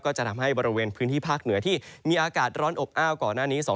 จะทำให้บริเวณพื้นที่ภาคเหนือที่มีอากาศร้อนอบอ้าวก่อนหน้านี้